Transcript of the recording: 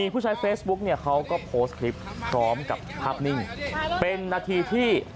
เป็นนาทีที่ตัวเขาเองอยู่ในรถ